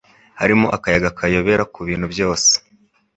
Hariho akayaga kayobera kubintu byose.